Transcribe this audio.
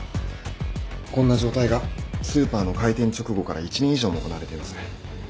こんな状態がスーパーの開店直後から１年以上も行われています。